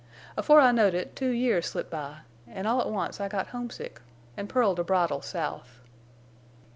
Afore I knowed it two years slipped by, an' all at once I got homesick, an' pulled a bridle south.